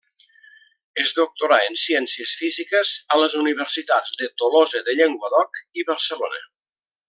Es doctorà en ciències físiques a les universitats de Tolosa de Llenguadoc i Barcelona.